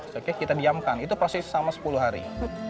selepas itu kita diamkan itu proses sama sepuluh hari